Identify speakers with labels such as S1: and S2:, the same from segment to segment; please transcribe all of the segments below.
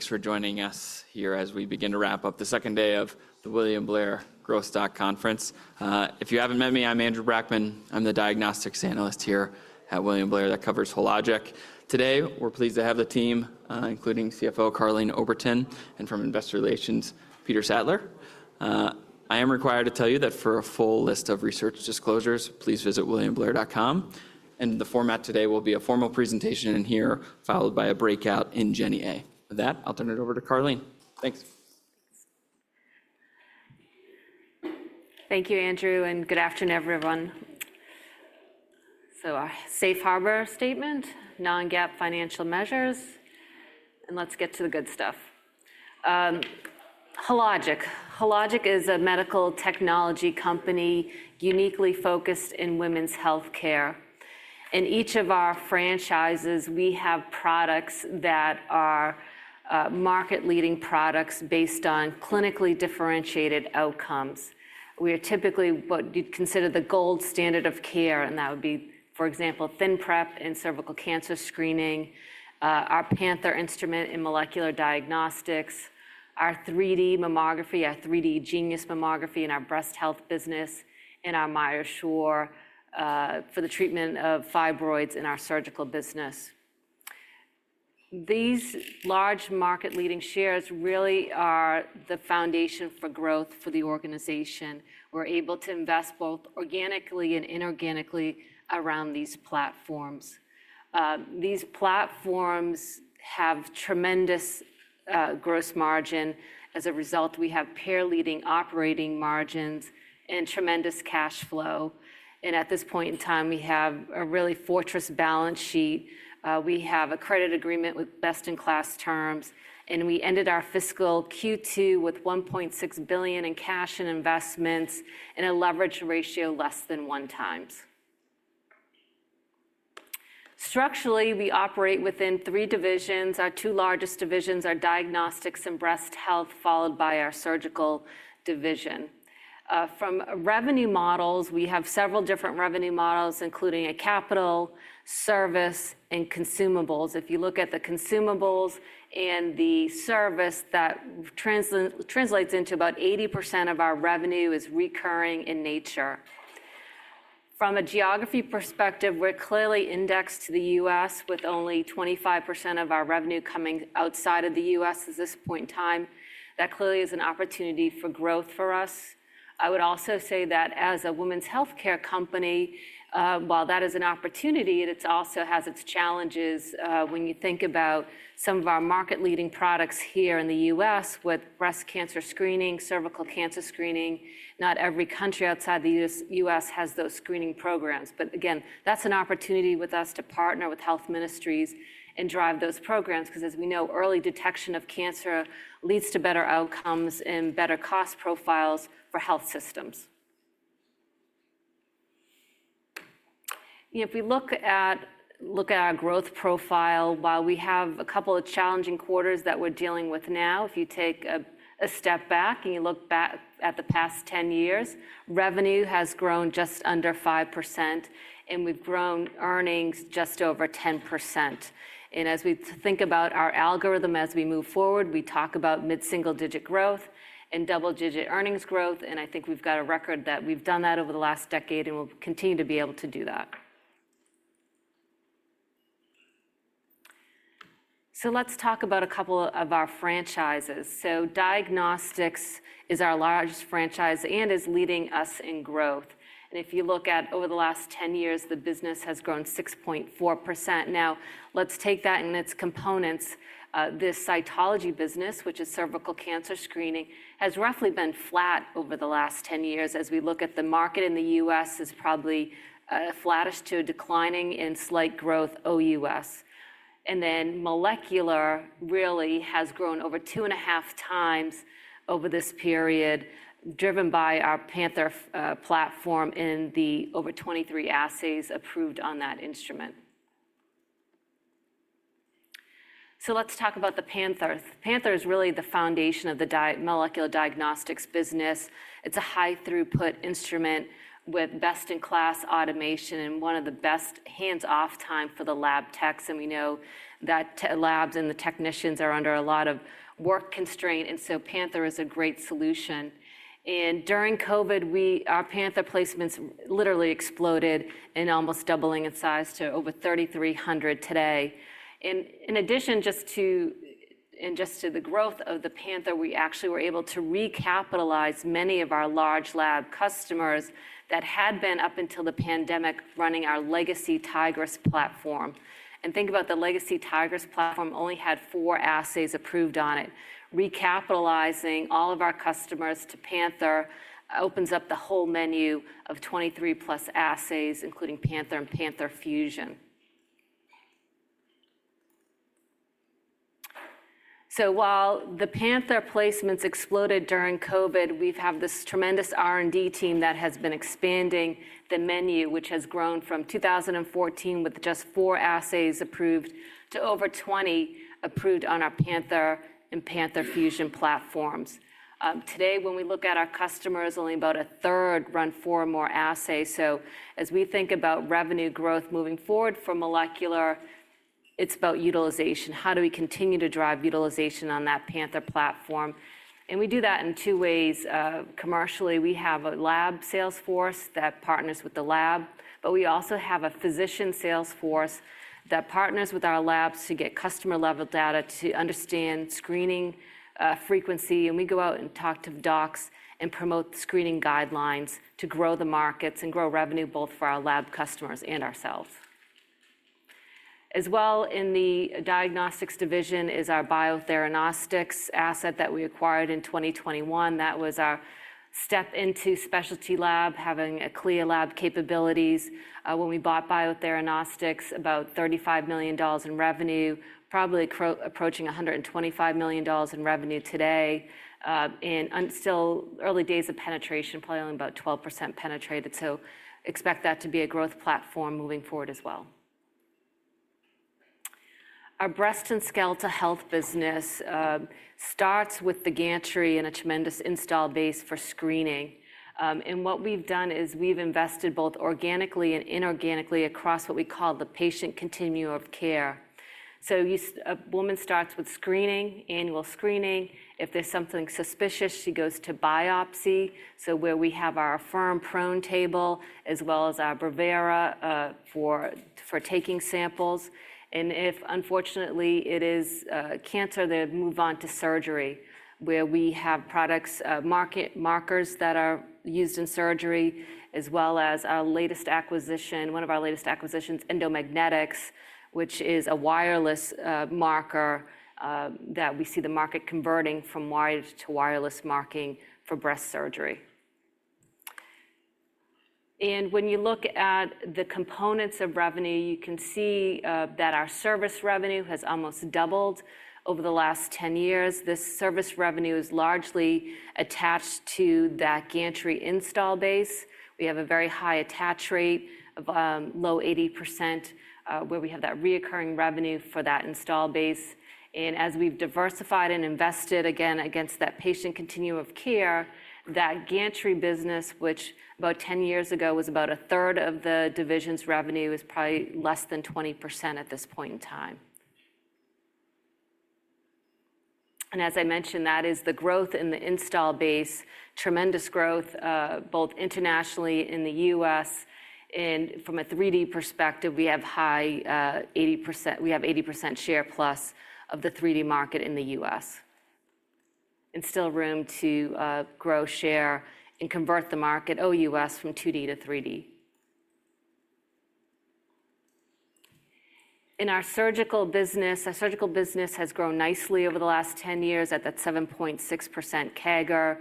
S1: Thanks for joining us here as we begin to wrap up the second day of the William Blair Growth Stock Conference. If you haven't met me, I'm Andrew Brackmann. I'm the diagnostics analyst here at William Blair that covers Hologic Inc. Today, we're pleased to have the team, including CFO Karleen Oberton and from Investor Relations, Peter Sattler. I am required to tell you that for a full list of research disclosures, please visit williamblair.com. The format today will be a formal presentation in here, followed by a breakout in GenAI. With that, I'll turn it over to Karleen. Thanks.
S2: Thank you, Andrew. Good afternoon, everyone. A safe harbor statement, non-GAAP financial measures. Let's get to the good stuff. Hologic. Hologic is a medical technology company uniquely focused in women's health care. In each of our franchises, we have products that are market-leading products based on clinically differentiated outcomes. We are typically what you'd consider the gold standard of care. That would be, for example, ThinPrep in cervical cancer screening, our Panther instrument in molecular diagnostics, our 3D mammography, our 3D Genius Mammography in our breast health business, and our MyoSure for the treatment of fibroids in our surgical business. These large market-leading shares really are the foundation for growth for the organization. We're able to invest both organically and inorganically around these platforms. These platforms have tremendous gross margin. As a result, we have peer-leading operating margins and tremendous cash flow. At this point in time, we have a really fortress balance sheet. We have a credit agreement with best-in-class terms. We ended our fiscal Q2 with $1.6 billion in cash and investments and a leverage ratio less than one times. Structurally, we operate within three divisions. Our two largest divisions are diagnostics and breast health, followed by our surgical division. From revenue models, we have several different revenue models, including a capital service and consumables. If you look at the consumables and the service, that translates into about 80% of our revenue is recurring in nature. From a geography perspective, we're clearly indexed to the US, with only 25% of our revenue coming outside of the US at this point in time. That clearly is an opportunity for growth for us. I would also say that as a women's health care company, while that is an opportunity, it also has its challenges when you think about some of our market-leading products here in the U.S. with breast cancer screening, cervical cancer screening. Not every country outside the U.S. has those screening programs. Again, that's an opportunity with us to partner with health ministries and drive those programs, because as we know, early detection of cancer leads to better outcomes and better cost profiles for health systems. If we look at our growth profile, while we have a couple of challenging quarters that we're dealing with now, if you take a step back and you look back at the past 10 years, revenue has grown just under 5%. We've grown earnings just over 10%. As we think about our algorithm as we move forward, we talk about mid-single-digit growth and double-digit earnings growth. I think we've got a record that we've done that over the last decade and will continue to be able to do that. Let's talk about a couple of our franchises. Diagnostics is our largest franchise and is leading us in growth. If you look at over the last 10 years, the business has grown 6.4%. Now, let's take that in its components. The cytology business, which is cervical cancer screening, has roughly been flat over the last 10 years. As we look at the market in the U.S., it's probably flattish to declining in slight growth OUS. Molecular really has grown over two and a half times over this period, driven by our Panther platform and the over 23 assays approved on that instrument. Let's talk about the Panther. The Panther is really the foundation of the molecular diagnostics business. It's a high-throughput instrument with best-in-class automation and one of the best hands-off time for the lab techs. We know that labs and the technicians are under a lot of work constraint. Panther is a great solution. During COVID, our Panther placements literally exploded and almost doubled in size to over 3,300 today. In addition, just to the growth of the Panther, we actually were able to recapitalize many of our large lab customers that had been up until the pandemic running our legacy Tigris platform. Think about the legacy Tigris platform. It only had four assays approved on it. Recapitalizing all of our customers to Panther opens up the whole menu of 23-plus assays, including Panther and Panther Fusion. While the Panther placements exploded during COVID, we have this tremendous R&D team that has been expanding the menu, which has grown from 2014 with just four assays approved to over 20 approved on our Panther and Panther Fusion platforms. Today, when we look at our customers, only about a third run four or more assays. As we think about revenue growth moving forward for molecular, it is about utilization. How do we continue to drive utilization on that Panther platform? We do that in two ways. Commercially, we have a lab sales force that partners with the lab. We also have a physician sales force that partners with our labs to get customer-level data to understand screening frequency. We go out and talk to docs and promote screening guidelines to grow the markets and grow revenue both for our lab customers and ourselves. As well, in the diagnostics division is our Biotheranostics asset that we acquired in 2021. That was our step into specialty lab, having clear lab capabilities. When we bought Biotheranostics, about $35 million in revenue, probably approaching $125 million in revenue today. Still early days of penetration, probably only about 12% penetrated. Expect that to be a growth platform moving forward as well. Our breast and skeletal health business starts with the gantry and a tremendous install base for screening. What we have done is invested both organically and inorganically across what we call the patient continuum of care. A woman starts with screening, annual screening. If there's something suspicious, she goes to biopsy. Where we have our Affirm prone table as well as our Brevera for taking samples. If unfortunately it is cancer, they move on to surgery, where we have products, markers that are used in surgery, as well as our latest acquisition, one of our latest acquisitions, Endomag, which is a wireless marker that we see the market converting from wire to wireless marking for breast surgery. When you look at the components of revenue, you can see that our service revenue has almost doubled over the last 10 years. This service revenue is largely attached to that gantry install base. We have a very high attach rate, low 80%, where we have that reoccurring revenue for that install base. As we have diversified and invested again against that patient continuum of care, that gantry business, which about 10 years ago was about a third of the division's revenue, is probably less than 20% at this point in time. As I mentioned, that is the growth in the install base, tremendous growth both internationally and in the US. From a 3D perspective, we have high 80%—we have 80% share plus of the 3D market in the US. There is still room to grow share and convert the market OUS from 2D-3D. In our surgical business, our surgical business has grown nicely over the last 10 years at that 7.6% CAGR.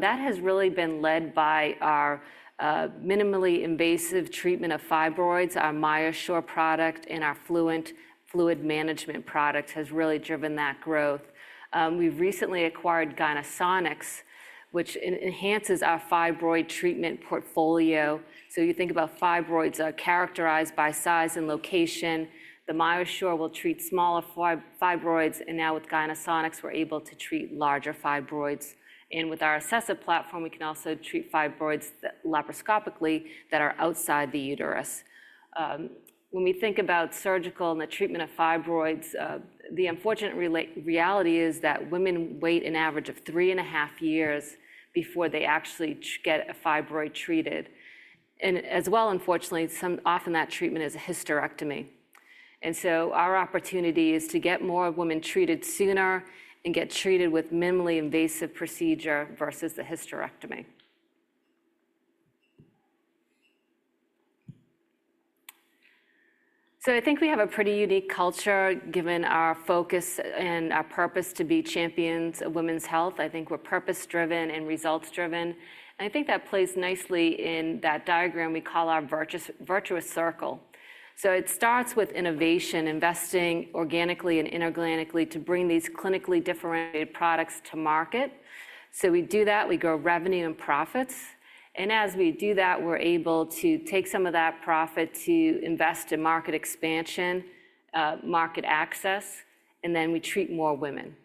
S2: That has really been led by our minimally invasive treatment of fibroids, our MyoSure product, and our Fluent fluid management product has really driven that growth. We have recently acquired Gynesonics, which enhances our fibroid treatment portfolio. You think about fibroids characterized by size and location. The MyoSure will treat smaller fibroids. Now with Gynesonics, we're able to treat larger fibroids. With our Acessa platform, we can also treat fibroids laparoscopically that are outside the uterus. When we think about surgical and the treatment of fibroids, the unfortunate reality is that women wait an average of three and a half years before they actually get a fibroid treated. As well, unfortunately, often that treatment is a hysterectomy. Our opportunity is to get more women treated sooner and get treated with minimally invasive procedure versus the hysterectomy. I think we have a pretty unique culture given our focus and our purpose to be champions of women's health. I think we're purpose-driven and results-driven. I think that plays nicely in that diagram we call our virtuous circle. It starts with innovation, investing organically and inorganically to bring these clinically differentiated products to market. We do that. We grow revenue and profits. As we do that, we're able to take some of that profit to invest in market expansion, market access, and then we treat more women.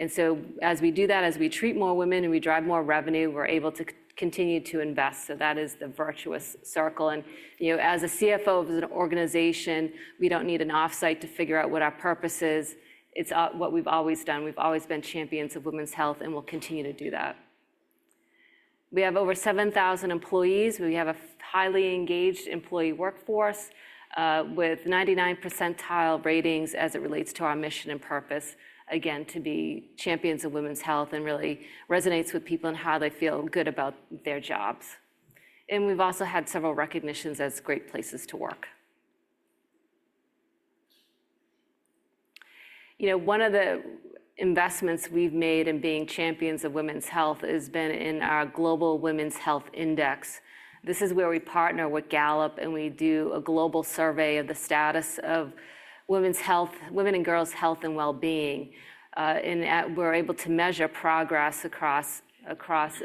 S2: As we do that, as we treat more women and we drive more revenue, we're able to continue to invest. That is the virtuous circle. As a CFO of an organization, we don't need an offsite to figure out what our purpose is. It's what we've always done. We've always been champions of women's health and will continue to do that. We have over 7,000 employees. We have a highly engaged employee workforce with 99% percentile ratings as it relates to our mission and purpose, again, to be champions of women's health and really resonates with people and how they feel good about their jobs. We have also had several recognitions as great places to work. One of the investments we've made in being champions of women's health has been in our Global Women's Health Index. This is where we partner with Gallup and we do a global survey of the status of women's health, women and girls' health and well-being. We are able to measure progress across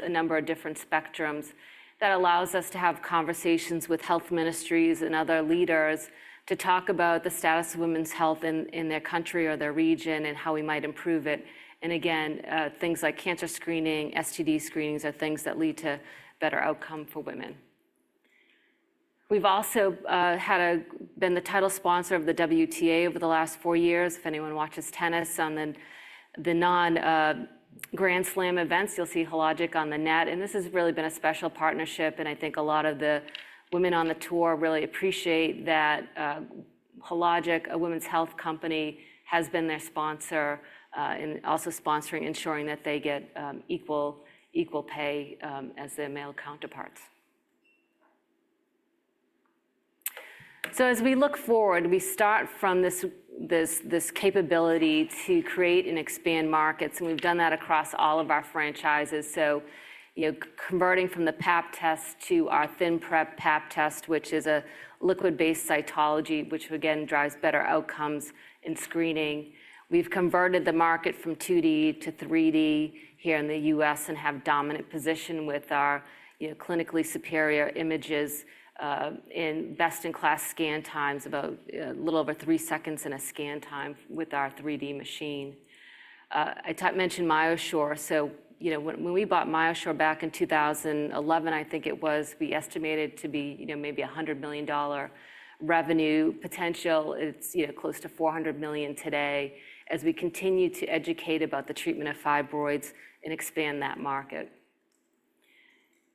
S2: a number of different spectrums that allows us to have conversations with health ministries and other leaders to talk about the status of women's health in their country or their region and how we might improve it. Again, things like cancer screening, STD screenings are things that lead to better outcome for women. We've also been the title sponsor of the WTA over the last four years. If anyone watches tennis on the non-grand slam events, you'll see Hologic on the net. This has really been a special partnership. I think a lot of the women on the tour really appreciate that Hologic, a women's health company, has been their sponsor and also sponsoring, ensuring that they get equal pay as their male counterparts. As we look forward, we start from this capability to create and expand markets. We've done that across all of our franchises. Converting from the Pap test to our ThinPrep Pap test, which is a liquid-based cytology, which again drives better outcomes in screening. We've converted the market from 2D to 3D here in the US and have a dominant position with our clinically superior images and best-in-class scan times, about a little over three seconds in a scan time with our 3D machine. I mentioned MyoSure. So when we bought MyoSure back in 2011, I think it was, we estimated it to be maybe $100 million revenue potential. It's close to $400 million today as we continue to educate about the treatment of fibroids and expand that market.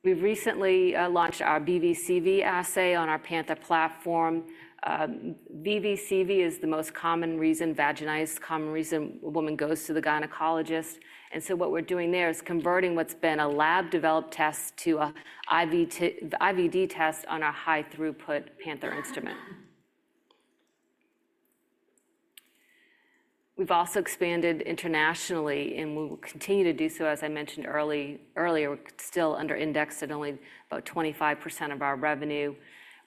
S2: We've recently launched our BV/CV assay on our Panther platform. BV/CV is the most common reason, vaginitis, common reason a woman goes to the gynecologist. What we're doing there is converting what's been a lab-developed test to an IVD test on our high-throughput Panther instrument. We've also expanded internationally and we will continue to do so. As I mentioned earlier, we're still under indexed at only about 25% of our revenue.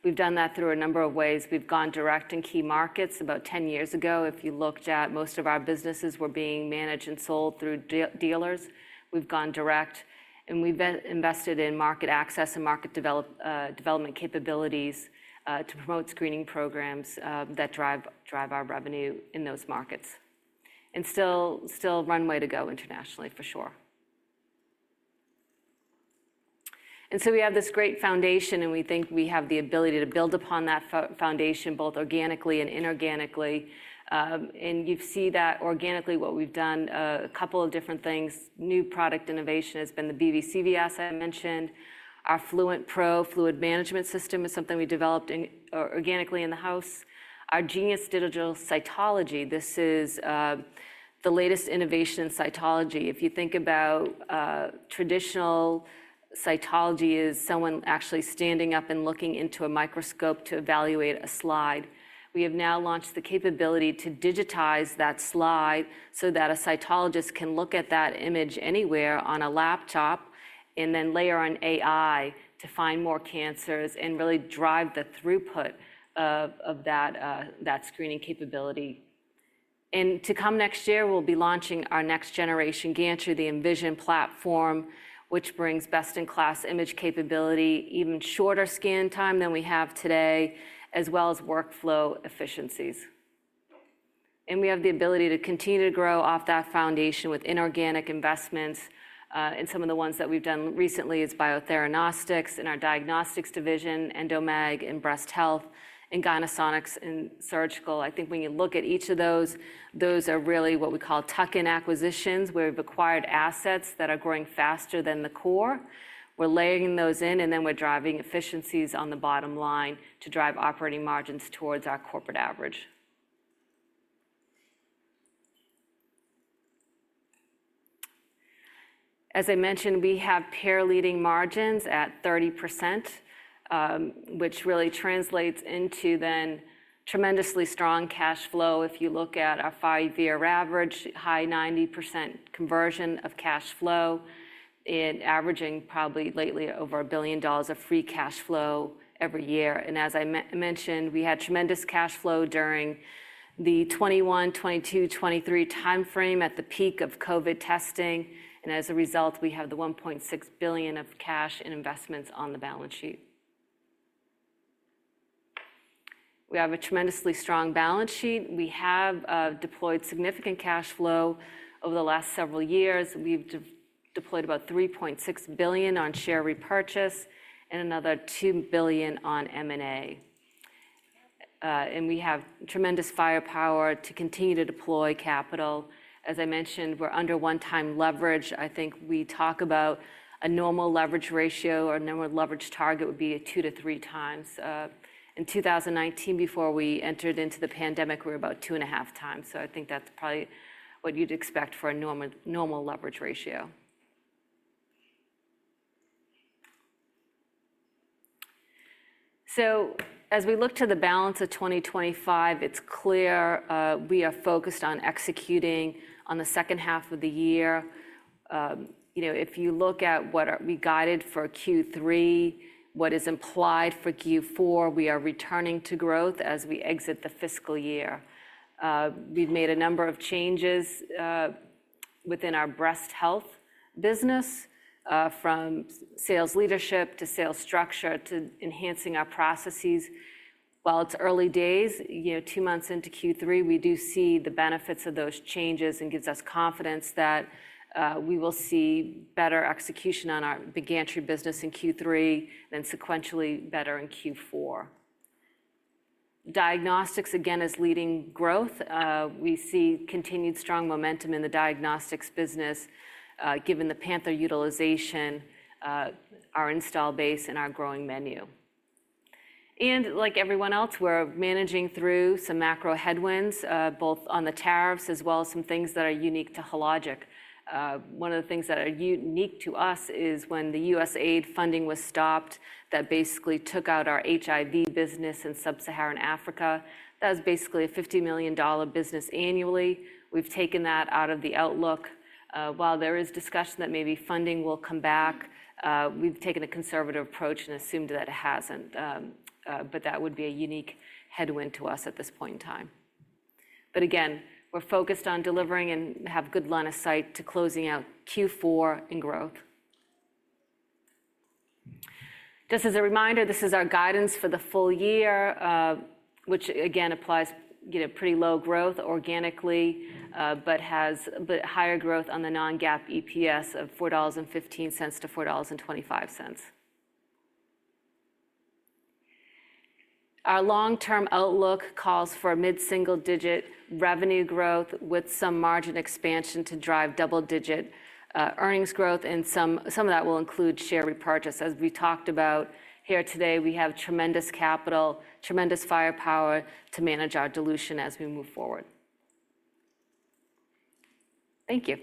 S2: We've done that through a number of ways. We've gone direct in key markets about 10 years ago. If you looked at most of our businesses, we're being managed and sold through dealers. We've gone direct. We've invested in market access and market development capabilities to promote screening programs that drive our revenue in those markets. There is still runway to go internationally for sure. We have this great foundation and we think we have the ability to build upon that foundation both organically and inorganically. You see that organically what we've done, a couple of different things. New product innovation has been the BV/CV Assay I mentioned. Our Fluent Pro fluid management system is something we developed organically in the house. Our Genius Digital Cytology, this is the latest innovation in cytology. If you think about traditional cytology, it is someone actually standing up and looking into a microscope to evaluate a slide. We have now launched the capability to digitize that slide so that a cytologist can look at that image anywhere on a laptop and then layer on AI to find more cancers and really drive the throughput of that screening capability. To come next year, we will be launching our next generation gantry, the Envision platform, which brings best-in-class image capability, even shorter scan time than we have today, as well as workflow efficiencies. We have the ability to continue to grow off that foundation with inorganic investments. Some of the ones that we have done recently are Biotheranostics in our diagnostics division, Endomag in breast health, and Gynesonics in surgical. I think when you look at each of those, those are really what we call tuck-in acquisitions where we've acquired assets that are growing faster than the core. We're laying those in and then we're driving efficiencies on the bottom line to drive operating margins towards our corporate average. As I mentioned, we have peer-leading margins at 30%, which really translates into then tremendously strong cash flow. If you look at our five-year average, high 90% conversion of cash flow and averaging probably lately over $1 billion of free cash flow every year. As I mentioned, we had tremendous cash flow during the 2021, 2022, 2023 timeframe at the peak of COVID testing. As a result, we have the $1.6 billion of cash and investments on the balance sheet. We have a tremendously strong balance sheet. We have deployed significant cash flow over the last several years. We've deployed about $3.6 billion on share repurchase and another $2 billion on M&A. We have tremendous firepower to continue to deploy capital. As I mentioned, we're under one-time leverage. I think we talk about a normal leverage ratio or a normal leverage target would be two to three times. In 2019, before we entered into the pandemic, we were about two and a half times. I think that's probably what you'd expect for a normal leverage ratio. As we look to the balance of 2025, it's clear we are focused on executing on the second half of the year. If you look at what we guided for Q3, what is implied for Q4, we are returning to growth as we exit the fiscal year. We've made a number of changes within our breast health business from sales leadership to sales structure to enhancing our processes. While it's early days, two months into Q3, we do see the benefits of those changes and gives us confidence that we will see better execution on our big gantry business in Q3 and then sequentially better in Q4. Diagnostics, again, is leading growth. We see continued strong momentum in the diagnostics business given the Panther utilization, our install base, and our growing menu. Like everyone else, we're managing through some macro headwinds both on the tariffs as well as some things that are unique to Hologic. One of the things that are unique to us is when the US aid funding was stopped that basically took out our HIV business in Sub-Saharan Africa. That was basically a $50 million business annually. We've taken that out of the outlook. While there is discussion that maybe funding will come back, we've taken a conservative approach and assumed that it hasn't. That would be a unique headwind to us at this point in time. Again, we're focused on delivering and have good line of sight to closing out Q4 in growth. Just as a reminder, this is our guidance for the full year, which again applies pretty low growth organically, but higher growth on the non-GAAP EPS of $4.15-$4.25. Our long-term outlook calls for mid-single-digit revenue growth with some margin expansion to drive double-digit earnings growth. Some of that will include share repurchase. As we talked about here today, we have tremendous capital, tremendous firepower to manage our dilution as we move forward. Thank you.